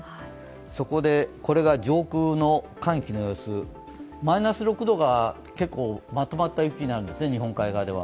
そこでこれが上空の寒気の様子、マイナス６度が結構まとまった雪になるんですね、日本海側では。